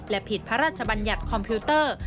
และผิดพระราชบัญญัติคอมพิวเตอร์